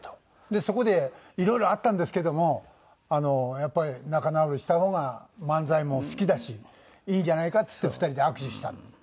でそこでいろいろあったんですけどもやっぱり仲直りした方が漫才も好きだしいいんじゃないかっつって２人で握手したんです。